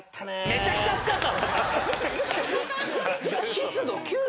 めちゃくちゃ暑かった。